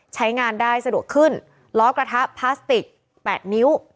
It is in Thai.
ใช้งานได้สะดวกขึ้นล้อกระทะพลาสติก๘นิ้ว